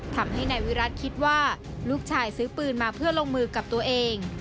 ทำให้นายวิรัติคิดว่าลูกชายซื้อปืนมาเพื่อลงมือกับตัวเอง